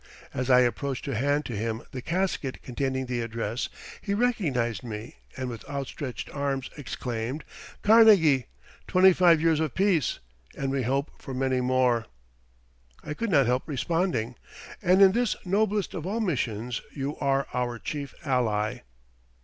As I approached to hand to him the casket containing the address, he recognized me and with outstretched arms, exclaimed: "Carnegie, twenty five years of peace, and we hope for many more." I could not help responding: "And in this noblest of all missions you are our chief ally."